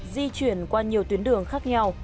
di chuyển qua nhiều tuyến đường khác nhau